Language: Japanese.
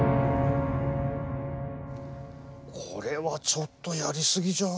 これはちょっとやり過ぎじゃ。